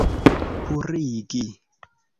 purigi